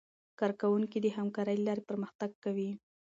کارکوونکي د همکارۍ له لارې پرمختګ کوي